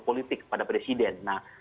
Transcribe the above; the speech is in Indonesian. politik pada presiden nah